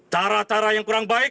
cara cara yang kurang baik